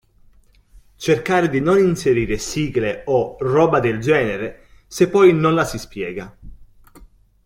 Cercare di non inserire sigle o roba del genere se poi non la si spiega.